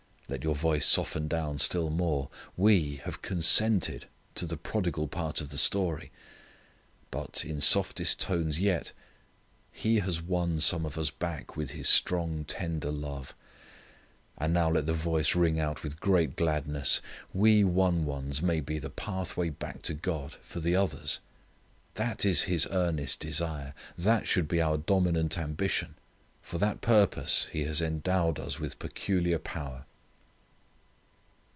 Let your voice soften down still more we have consented to the prodigal part of the story. But, in softest tones yet, He has won some of us back with His strong tender love. And now let the voice ring out with great gladness we won ones may be the pathway back to God for the others. That is His earnest desire. That should be our dominant ambition. For that purpose He has endowed us with peculiar power.